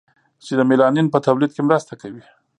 چې د میلانین په تولید کې مرسته کوي.